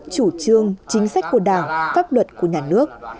chủ trương chính sách của đảng pháp luật của nhà nước